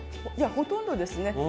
ほとんどですね。